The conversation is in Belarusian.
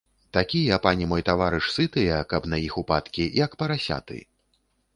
Такія, пане мой, таварыш, сытыя, каб на іх упадкі, як парасяты.